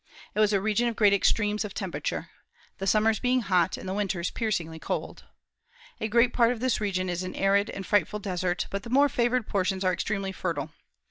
It was a region of great extremes of temperature, the summers being hot, and the winters piercingly cold. A great part of this region is an arid and frightful desert; but the more favored portions are extremely fertile.